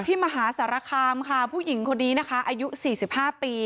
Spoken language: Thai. ที่มหาสารคามค่ะผู้หญิงคนนี้นะคะอายุสี่สิบห้าปี